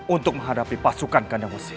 untuk menghadapi pasukan kandang musik